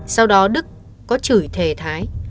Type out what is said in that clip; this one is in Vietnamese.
sau đó đức có chửi thề thái